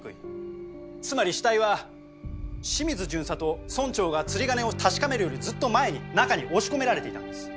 つまり死体は清水巡査と村長が釣り鐘を確かめるよりずっと前に中に押し込められていたんです。